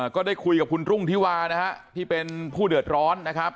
ก็ได้คุยกับคุณรุ่งธิวานะฮะที่เป็นผู้เดือดร้อนนะครับ